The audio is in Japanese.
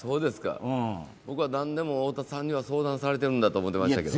僕は何でも太田さんには相談されてるんだと思いましたけど。